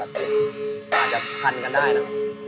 อาจจะทันกันได้นะ